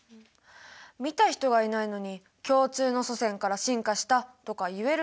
見た人がいないのに共通の祖先から進化したとか言えるの？